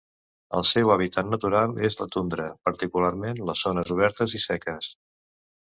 El seu hàbitat natural és la tundra, particularment les zones obertes i seques.